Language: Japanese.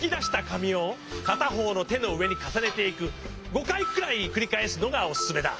５かいくらいくりかえすのがおすすめだ。